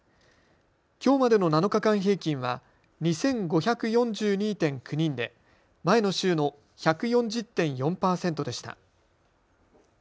きょうまでの７日間平均は２５４２．９人で前の週の１４０．４％でした。